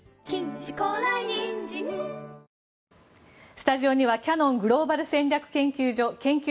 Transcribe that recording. スタジオにはキヤノングローバル戦略研究所研究